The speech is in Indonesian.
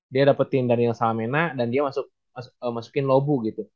dia dapetin dari salamena dan dia masukin lobu gitu